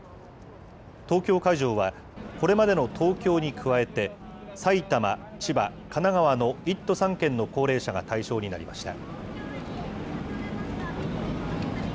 東京会場は、これまでの東京に加えて、埼玉、千葉、神奈川の１都３県の高齢者が対象になりました。